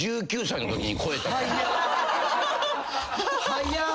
早っ。